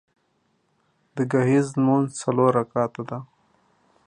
د ګهیځ لمونځ څلور رکعته ده